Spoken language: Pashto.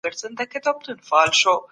کمپيوټر کوچنيانو ته ښوونه کوي.